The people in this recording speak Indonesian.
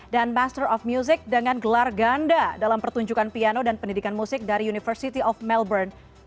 dan master of music dengan gelar ganda dalam pertunjukan piano dan pendidikan musik dari university of melbourne